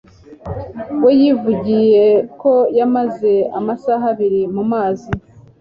we yivugiye ko yamaze amasaha abiri mu mazi